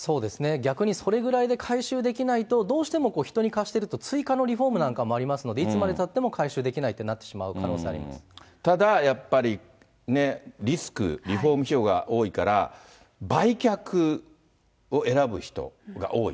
逆にそれぐらいで回収できないと、どうしても人に貸してると、追加のリフォームなんかもありますので、いつまでたっても回収できないというふうになってしまう可能ただやっぱり、リスク、リフォーム費用が多いから、売却を選ぶ人が多い。